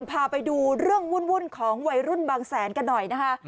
พาไปดูเรื่องวุ่นของวัยรุ่นบางแสนกันหน่อยนะคะ